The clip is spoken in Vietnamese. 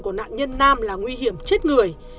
của nạn nhân nam là nguy hiểm chết người